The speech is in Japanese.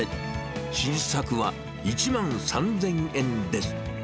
新作は１万３０００円です。